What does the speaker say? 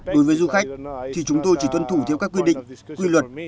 đối với du khách thì chúng tôi chỉ tuân thủ theo các quy định quy luật